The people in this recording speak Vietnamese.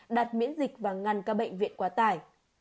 đặt miễn dịch và ngăn các bệnh viện quá tải